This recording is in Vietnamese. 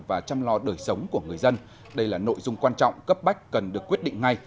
và chăm lo đời sống của người dân đây là nội dung quan trọng cấp bách cần được quyết định ngay